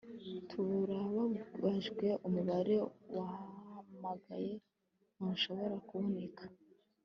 turababajwe. umubare wahamagaye ntushobora kuboneka